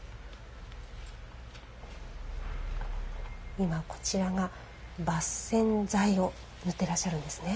今、こちらが、抜染剤を塗ってらっしゃるんですね。